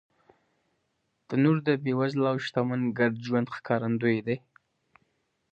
تنور د بېوزله او شتمن ګډ ژوند ښکارندوی دی